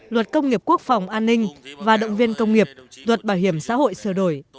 luật công nghiệp quốc phòng an ninh và động viên công nghiệp luật bảo hiểm xã hội sửa đổi